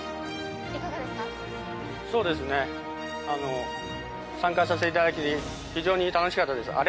そうですね、参加させていただいて、非常に楽しかったです。